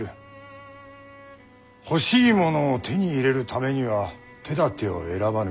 欲しいものを手に入れるためには手だてを選ばぬ。